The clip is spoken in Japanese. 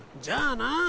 じゃあな。